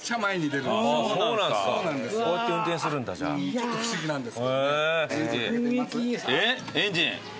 ちょっと不思議なんです。